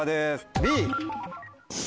Ｂ。